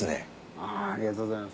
ありがとうございます。